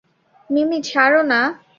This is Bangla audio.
মিমি ছাড়ো না।